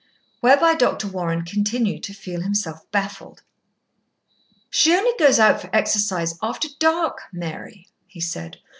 Whereby Dr. Warren continued to feel himself baffled. "She only goes out for exercise after dark, Mary," he said.